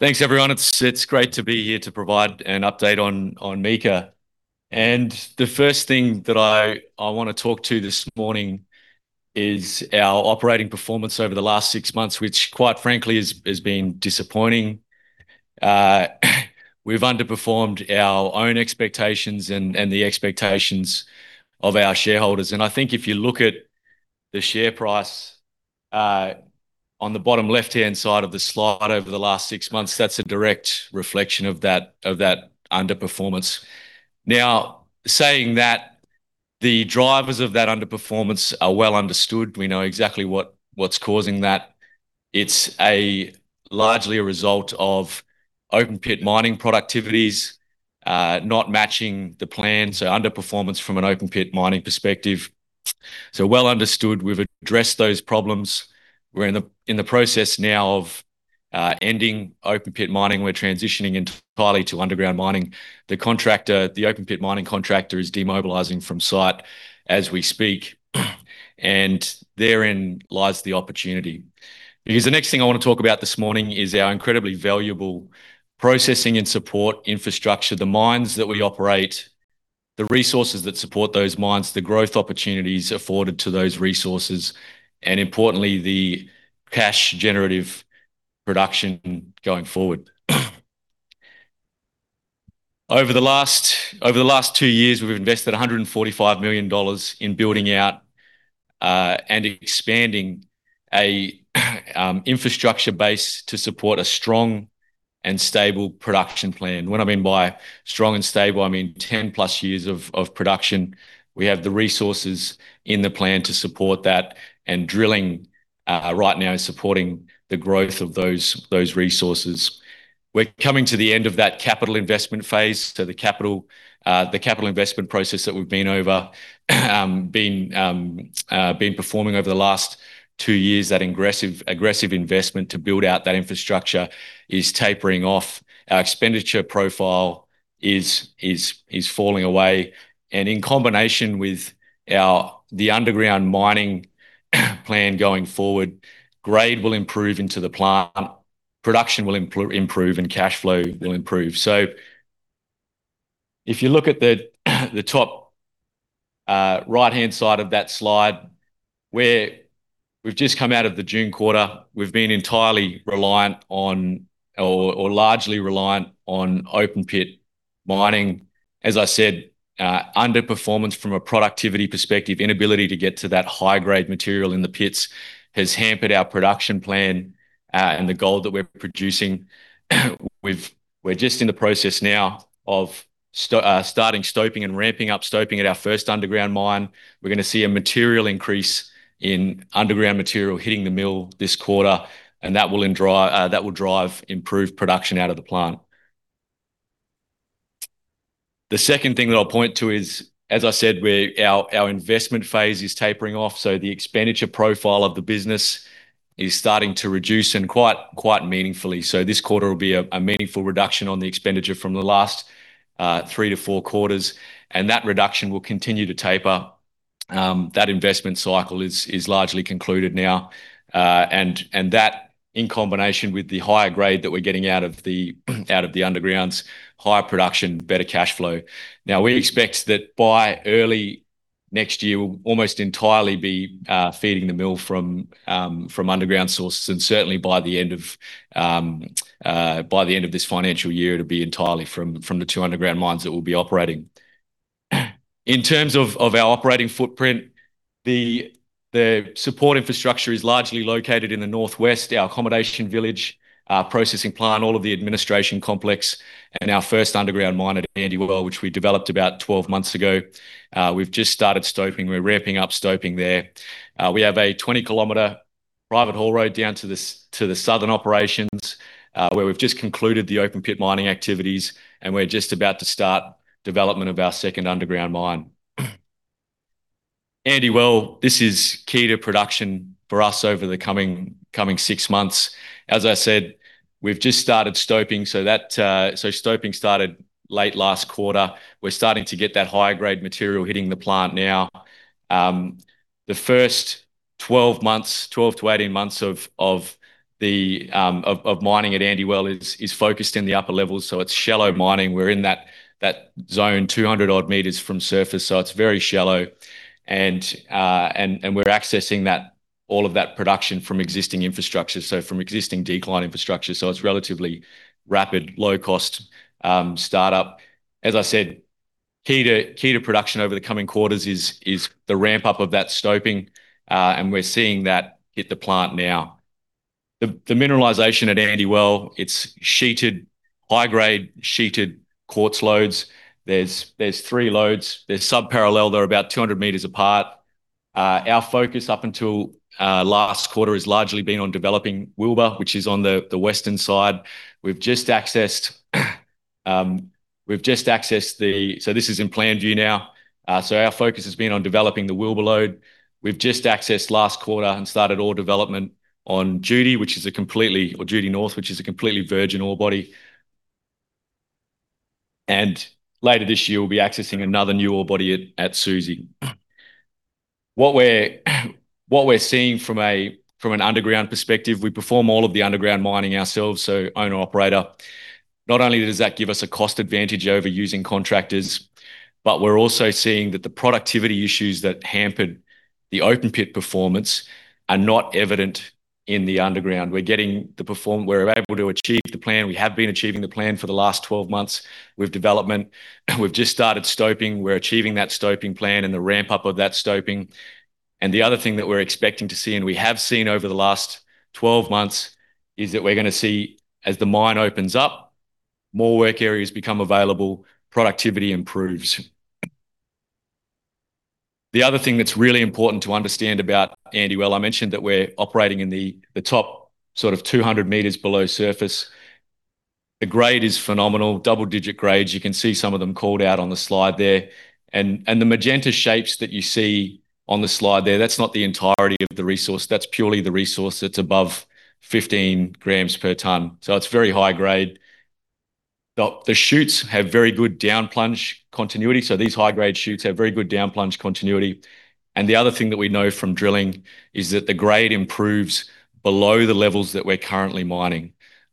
Thanks everyone. It's great to be here to provide an update on Meeka. The first thing that I want to talk to this morning is our operating performance over the last six months, which quite frankly has been disappointing. We've underperformed our own expectations and the expectations of our shareholders. I think if you look at the share price on the bottom left-hand side of the slide over the last six months, that's a direct reflection of that underperformance. Saying that, the drivers of that underperformance are well understood. We know exactly what's causing that. It's largely a result of open pit mining productivities not matching the plan. Underperformance from an open pit mining perspective. Well understood. We've addressed those problems. We're in the process now of ending open pit mining. We're transitioning entirely to underground mining. The open pit mining contractor is demobilizing from site as we speak, therein lies the opportunity. The next thing I want to talk about this morning is our incredibly valuable processing and support infrastructure. The mines that we operate, the resources that support those mines, the growth opportunities afforded to those resources, importantly, the cash generative production going forward. Over the last two years, we've invested 145 million dollars in building out and expanding an infrastructure base to support a strong and stable production plan. What I mean by strong and stable, I mean 10+ years of production. We have the resources in the plan to support that, drilling right now is supporting the growth of those resources. We're coming to the end of that capital investment phase. The capital investment process that we've been performing over the last two years, that aggressive investment to build out that infrastructure is tapering off. Our expenditure profile is falling away. In combination with the underground mining plan going forward, grade will improve into the plant, production will improve, cash flow will improve. If you look at the top right-hand side of that slide, we've just come out of the June quarter. We've been entirely reliant on, or largely reliant on open pit mining. As I said, underperformance from a productivity perspective, inability to get to that high-grade material in the pits has hampered our production plan and the gold that we're producing. We're just in the process now of starting stoping and ramping up stoping at our first underground mine. We're going to see a material increase in underground material hitting the mill this quarter, that will drive improved production out of the plant. The second thing that I'll point to is, as I said, our investment phase is tapering off. The expenditure profile of the business is starting to reduce and quite meaningfully. This quarter will be a meaningful reduction on the expenditure from the last three to four quarters, that reduction will continue to taper. That investment cycle is largely concluded now. That in combination with the higher grade that we're getting out of the undergrounds, higher production, better cash flow. We expect that by early next year, we'll almost entirely be feeding the mill from underground sources, certainly by the end of this financial year, it'll be entirely from the two underground mines that we'll be operating. In terms of our operating footprint, the support infrastructure is largely located in the northwest. Our accommodation village, processing plant, all of the administration complex, and our first underground mine at Andy Well, which we developed about 12 months ago. We've just started stoping. We're ramping up stoping there. We have a 20 km private haul road down to the southern operations, where we've just concluded the open pit mining activities, and we're just about to start development of our second underground mine. Andy Well, this is key to production for us over the coming six months. As I said, we've just started stoping. Stoping started late last quarter. We're starting to get that higher grade material hitting the plant now. The first 12 to 18 months of mining at Andy Well is focused in the upper levels. It's shallow mining. We're in that zone 200 odd meters from surface, it's very shallow. We're accessing all of that production from existing infrastructure, from existing decline infrastructure. It's relatively rapid, low cost, startup. As I said, key to production over the coming quarters is the ramp up of that stoping. We're seeing that hit the plant now. The mineralization at Andy Well, it's sheeted, high grade sheeted, quartz lodes. There's three lodes. They're sub-parallel. They're about 200 meters apart. Our focus up until last quarter has largely been on developing Wilbur, which is on the western side. This is in plan view now. Our focus has been on developing the Wilbur lode. We've just accessed last quarter and started ore development on Judy North, which is a completely virgin ore body. Later this year, we'll be accessing another new ore body at Suzy. What we're seeing from an underground perspective, we perform all of the underground mining ourselves, owner/operator. Not only does that give us a cost advantage over using contractors, but we're also seeing that the productivity issues that hampered the open pit performance are not evident in the underground. We're able to achieve the plan. We have been achieving the plan for the last 12 months with development. We've just started stoping. We're achieving that stoping plan and the ramp up of that stoping. The other thing that we're expecting to see, and we have seen over the last 12 months, is that we're going to see as the mine opens up, more work areas become available, productivity improves. The other thing that's really important to understand about Andy Well, I mentioned that we're operating in the top 200 meters below surface. The grade is phenomenal. Double digit grades. You can see some of them called out on the slide there. The magenta shapes that you see on the slide there, that's not the entirety of the resource. That's purely the resource that's above 15 grams per ton. It's very high grade. The shoots have very good down plunge continuity. These high grade shoots have very good down plunge continuity. The other thing that we know from drilling is that the grade improves below the levels that we're currently mining.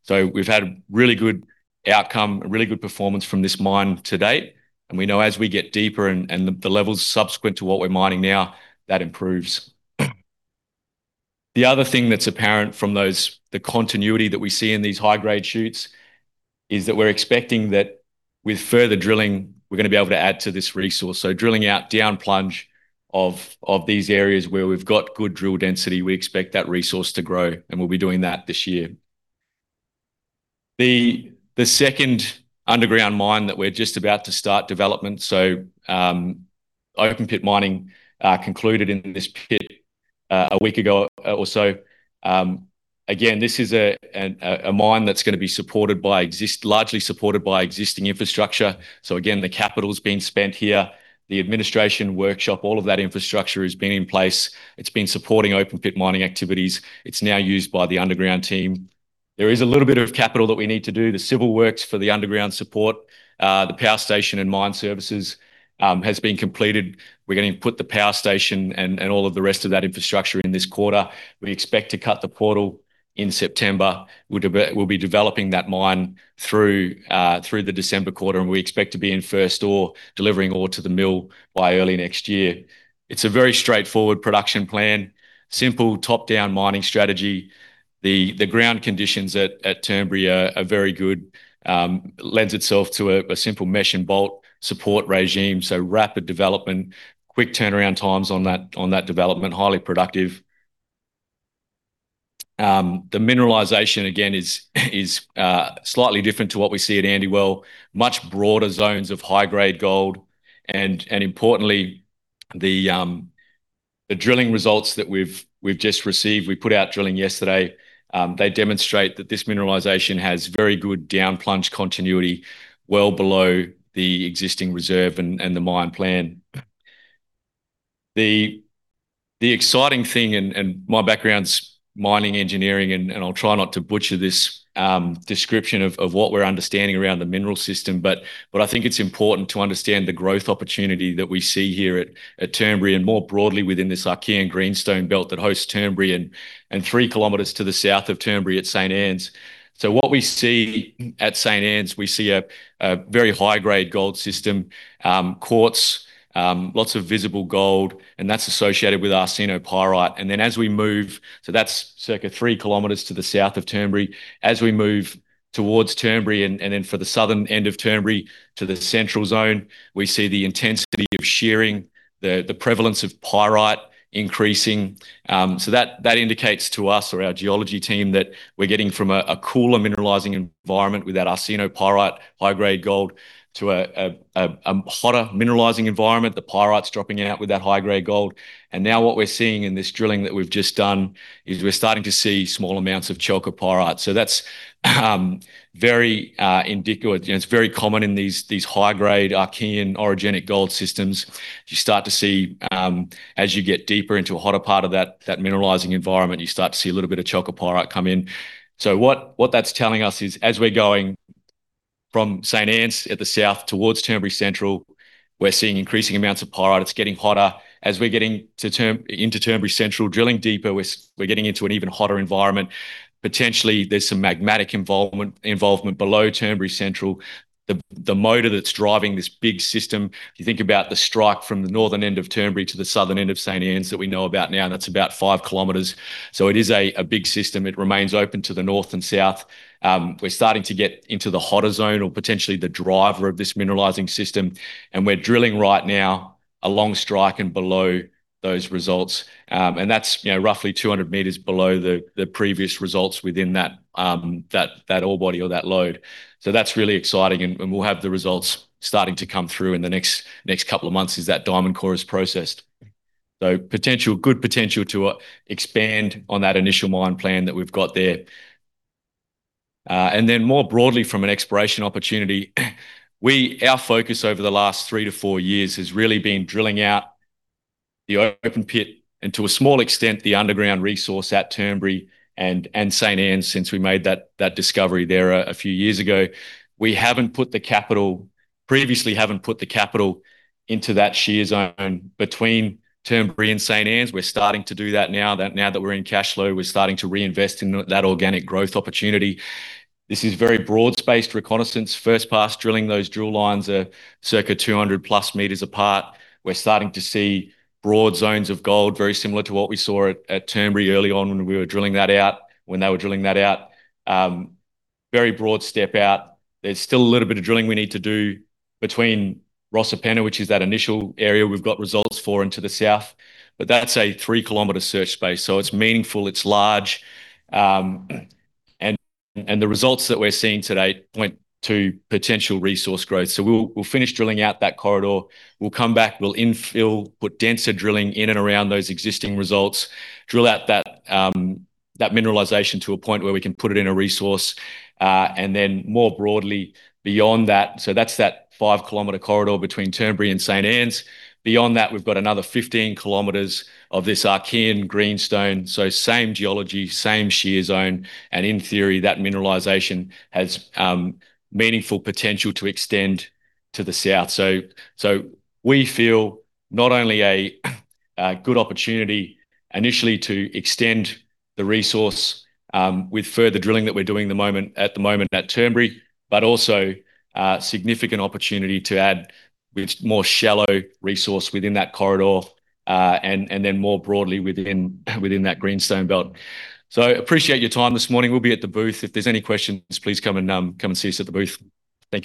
We've had really good outcome, really good performance from this mine to date. We know as we get deeper and the levels subsequent to what we're mining now, that improves. The other thing that's apparent from the continuity that we see in these high-grade shoots is that we're expecting that with further drilling, we're going to be able to add to this resource. Drilling out down plunge of these areas where we've got good drill density, we expect that resource to grow, and we'll be doing that this year. The second underground mine that we're just about to start development. Open pit mining concluded in this pit a week ago or so. Again this is a mine that's going to be largely supported by existing infrastructure. Again, the capital's been spent here. The administration workshop, all of that infrastructure has been in place. It's been supporting open pit mining activities. It's now used by the underground team. There is a little bit of capital that we need to do. The civil works for the underground support, the power station and mine services has been completed. We're going to input the power station and all of the rest of that infrastructure in this quarter. We expect to cut the portal in September. We'll be developing that mine through the December quarter, and we expect to be in first ore, delivering ore to the mill by early next year. It's a very straightforward production plan. Simple top-down mining strategy. The ground conditions at Turnberry are very good. Lends itself to a simple mesh and bolt support regime. Rapid development, quick turnaround times on that development, highly productive. The mineralization, again, is slightly different to what we see at Andy Well. Much broader zones of high-grade gold, and importantly, the drilling results that we've just received. We put out drilling yesterday. They demonstrate that this mineralization has very good down plunge continuity, well below the existing reserve and the mine plan. The exciting thing, and my background's mining engineering, and I'll try not to butcher this description of what we're understanding around the mineral system, but I think it's important to understand the growth opportunity that we see here at Turnberry and more broadly within this Archean greenstone belt that hosts Turnberry and three kilometers to the south of Turnberry at St. Anne's. What we see at St. Anne's, we see a very high-grade gold system, quartz, lots of visible gold, and that's associated with arsenopyrite. That's circa three kilometers to the south of Turnberry. As we move towards Turnberry, and then for the southern end of Turnberry to the central zone, we see the intensity of shearing, the prevalence of pyrite increasing. That indicates to us or our geology team that we're getting from a cooler mineralizing environment with that arsenopyrite high-grade gold to a hotter mineralizing environment. The pyrite's dropping out with that high-grade gold. Now what we're seeing in this drilling that we've just done is we're starting to see small amounts of chalcopyrite. It's very common in these high-grade Archean orogenic gold systems. As you get deeper into a hotter part of that mineralizing environment, you start to see a little bit of chalcopyrite come in. What that's telling us is, as we're going from St. Anne's at the south towards Turnberry Central, we're seeing increasing amounts of pyrite. It's getting hotter. As we're getting into Turnberry Central, drilling deeper, we're getting into an even hotter environment. Potentially, there's some magmatic involvement below Turnberry Central. The motor that's driving this big system, if you think about the strike from the northern end of Turnberry to the southern end of St. Anne's that we know about now, that's about five kilometers. It is a big system. It remains open to the north and south. We're starting to get into the hotter zone or potentially the driver of this mineralizing system, and we're drilling right now along strike and below those results. That's roughly 200 meters below the previous results within that ore body or that load. That's really exciting, and we'll have the results starting to come through in the next couple of months as that diamond core is processed. Good potential to expand on that initial mine plan that we've got there. More broadly from an exploration opportunity, our focus over the last three to four years has really been drilling out the open pit and to a small extent, the underground resource at Turnberry and St. Anne's since we made that discovery there a few years ago. We previously haven't put the capital into that shear zone between Turnberry and St. Anne's. We're starting to do that now. Now that we're in cash flow, we're starting to reinvest in that organic growth opportunity. This is very broad-spaced reconnaissance, first pass drilling. Those drill lines are circa 200 plus meters apart. We're starting to see broad zones of gold, very similar to what we saw at Turnberry early on when they were drilling that out, very broad step out. There's still a little bit of drilling we need to do between Rosapenna, which is that initial area we've got results for and to the south. That's a three-kilometer search space, so it's meaningful, it's large. The results that we're seeing today point to potential resource growth. We'll finish drilling out that corridor. We'll come back, we'll infill, put denser drilling in and around those existing results, drill out that mineralization to a point where we can put it in a resource, and then more broadly beyond that. That's that five-kilometer corridor between Turnberry and St. Anne's. Beyond that, we've got another 15 kilometers of this Archean greenstone. Same geology, same shear zone, and in theory, that mineralization has meaningful potential to extend to the south. We feel not only a good opportunity initially to extend the resource with further drilling that we're doing at the moment at Turnberry, but also a significant opportunity to add with more shallow resource within that corridor, and then more broadly within that greenstone belt. Appreciate your time this morning. We'll be at the booth. If there's any questions, please come and see us at the booth.